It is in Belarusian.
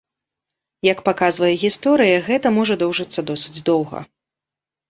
Як паказвае гісторыя, гэта можа доўжыцца досыць доўга.